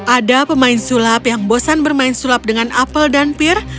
ada pemain sulap yang bosan bermain sulap dengan apel dan pir